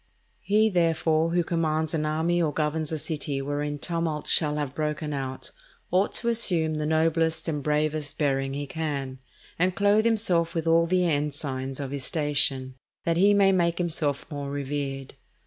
He therefore who commands an army or governs a city wherein tumult shall have broken out, ought to assume the noblest and bravest bearing he can, and clothe himself with all the ensigns of his station, that he may make himself more revered.